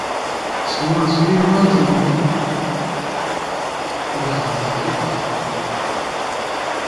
ছোঁয়াছুঁয়ি হবার যো নাই, জাহাজ থেকে কথা কও।